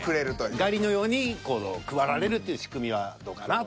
ガリのように配られるという仕組みはどうかなと。